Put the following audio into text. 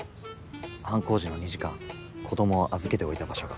犯行時の２時間子供を預けておいた場所が。